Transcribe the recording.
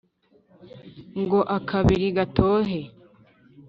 ngo akabiri gatohe